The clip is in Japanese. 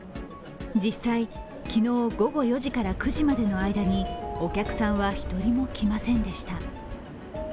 実際、昨日午後４時から９時までの間にお客さんは１人も来ませんでした。